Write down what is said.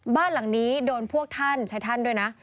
บ้านหลังนี้โดนพวกท่านใช้ท่านด้วยนะ